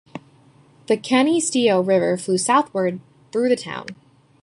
The Canisteo River flows southward through the town.